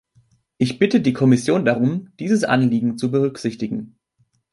Ich bitte die Kommission darum, dieses Anliegen zu berücksichtigen.